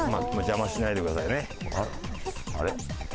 邪魔しないでくださいね。